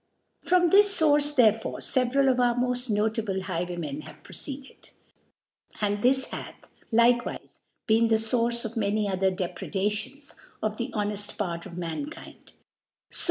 From this Source, therefore, fc;vera| of ourmofl: notable Highwaymen have ^o ceeded ; and dsis hith J ike wile been the Source of many other Depred^tion3 on the hoorfl: Part of Mankif\d. 3o